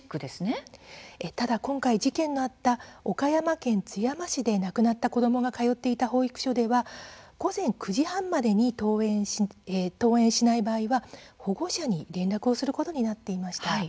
ただ今回、事件のあった岡山県津山市で亡くなった子どもが通っていた保育所では午前９時半までに登園しない場合は保護者に連絡をすることになっていました。